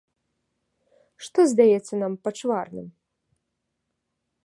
Што здаецца нам пачварным?